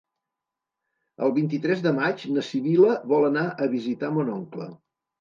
El vint-i-tres de maig na Sibil·la vol anar a visitar mon oncle.